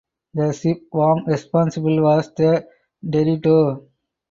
The shipworm responsible was the teredo.